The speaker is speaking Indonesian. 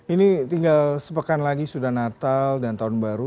ini tinggal sepekan lagi sudah natal dan tahun baru